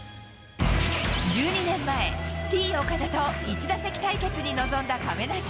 １２年前、Ｔー岡田と１打席対決に臨んだ亀梨。